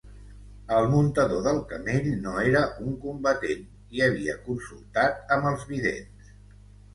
El muntador del camell no era un combatent, i havia consultat amb els vidents.